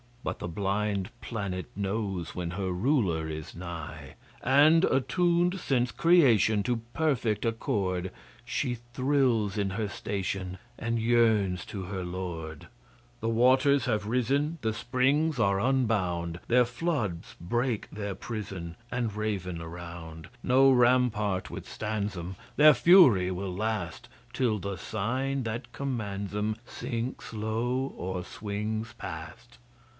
But the blind planet knows When her ruler is nigh; And, attuned since Creation, To perfect accord, She thrills in her station And yearns to her Lord. The waters have risen, The springs are unbound The floods break their prison, And ravin around. No rampart withstands 'em, Their fury will last, Till the Sign that commands 'em Sinks low or swings past.